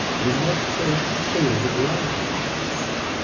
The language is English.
. we must first clear the ground."